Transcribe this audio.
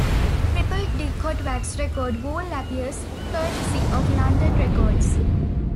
Crippled Dick Hot Wax record, Wool appears courtesy of London Records.